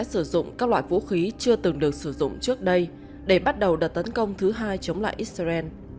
iran cho là sẽ sử dụng các loại vũ khí chưa từng được sử dụng trước đây để bắt đầu đặt tấn công thứ hai chống lại israel